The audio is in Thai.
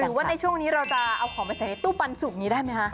หรือว่าในช่วงนี้เราจะเอาของไปใส่ในตู้ปันสุกนี้ได้ไหมคะ